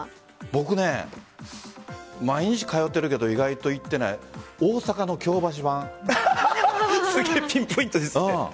僕は毎日通ってるけど意外と行っていないすごいピンポイントですね。